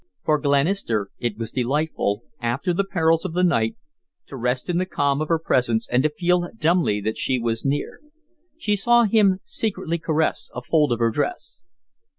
For Glenister it was delightful, after the perils of the night, to rest in the calm of her presence and to feel dumbly that she was near. She saw him secretly caress a fold of her dress.